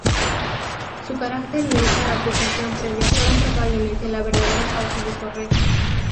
Su carácter y esa acusación previa fueron probablemente la verdadera causa de su arresto.